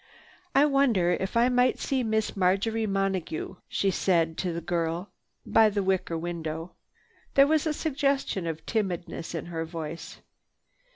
"I wonder if I might see Miss Marjory Monague?" she said to the girl by the wicker window. There was a suggestion of timidness in her voice.